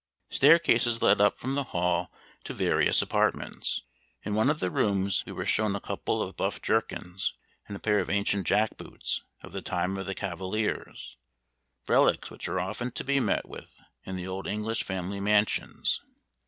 Staircases led up from the hall to various apartments. In one of the rooms we were shown a couple of buff jerkins, and a pair of ancient jackboots, of the time of the cavaliers; relics which are often to be met with in the old English family mansions.